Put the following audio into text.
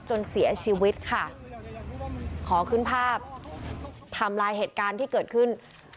จนเสียชีวิตค่ะขอขึ้นภาพทำลายเหตุการณ์ที่เกิดขึ้น